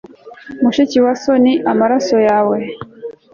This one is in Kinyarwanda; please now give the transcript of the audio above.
mushiki wa so ni amaraso yawe